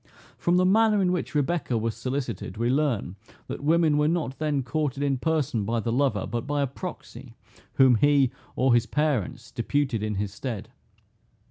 From the manner in which Rebecca was solicited, we learn, that women were not then courted in person by the lover, but by a proxy, whom he, or his parents, deputed in his stead.